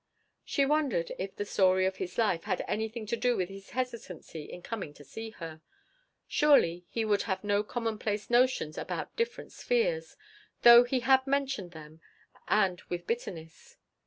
She wondered if the "story of his life" had anything to do with his hesitancy in coming to see her. Surely he would have no commonplace notions about "different spheres," though he had mentioned them, and with bitterness.